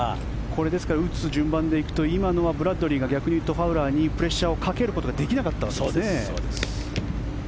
これは、ですから打つ順番でいくと今のはブラッドリーが逆に言うとファウラーにプレッシャーをかけることができなかったわけですよね。